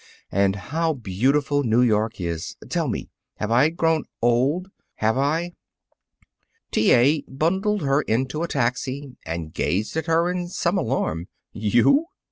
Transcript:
And how beautiful New York is! Tell me: Have I grown old? Have I?" T. A. bundled her into a taxi and gazed at her in some alarm. "You!